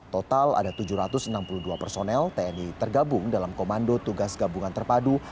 total ada tujuh ratus enam puluh dua personel tni tergabung dalam komando tugas gabungan terpadu